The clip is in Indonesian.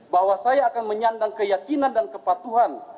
bahwa saya akan menyandang keyakinan dan kepatuhan